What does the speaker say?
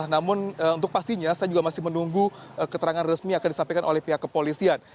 namun untuk pastinya saya juga masih menunggu keterangan resmi akan disampaikan oleh pihak kepolisian